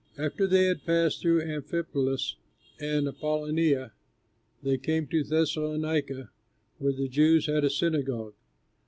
After they had passed through Amphipolis and Apollonia, they came to Thessalonica, where the Jews had a synagogue.